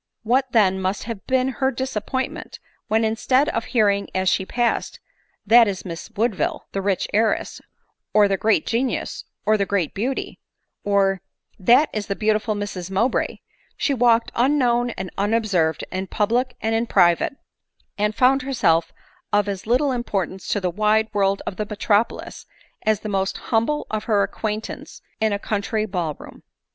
What •""* then must have been her disappointment, when instead > of hearing as she passed, " That is Miss Woodville, the • rich heiress— or the great genius— or the great beauty" r —or, " That is the beautiful Mrs Mowbray," she walked \ unknown and unobserved in public and in private, and found herself of as little importance in the wide world of the metropolis, as the most humble of her acquaintance in a country ball room.